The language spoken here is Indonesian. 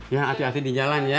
ya hati hati di jalan ya